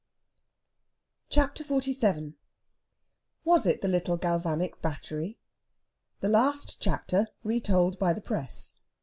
CHAPTER XLVII WAS IT THE LITTLE GALVANIC BATTERY? THE LAST CHAPTER RETOLD BY THE PRESS.